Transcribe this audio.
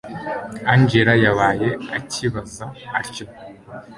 angella yabaye acyibaza atyo